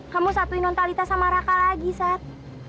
kamu satuin nontalita sama raka lagi sat